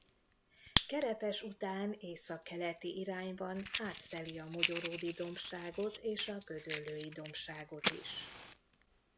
Kerepes után északkeleti irányban átszeli a Mogyoródi-dombságot és a Gödöllői-dombságot is.